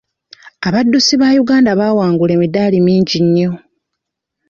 Abaddusi ba Uganda bawangula emidaali mingi nnyo.